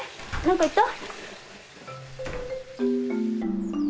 何か言った？